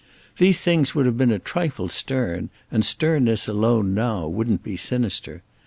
These things would have been a trifle stern, and sternness alone now wouldn't be sinister.